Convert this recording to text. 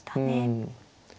うん。